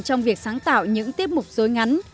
trong việc sáng tạo những tiết mục dối ngắn